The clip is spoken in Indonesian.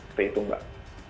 seperti itu mbak